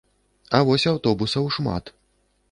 А вось аўтобусаў шмат.